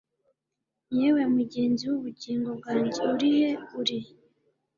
Yewe mugenzi wubugingo bwanjye urihe Uri